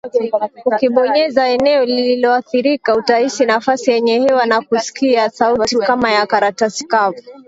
Ukibonyeza eneo lililoathirika utahisi nafasi yenye hewa na kusikia sauti kama ya karatasi kavu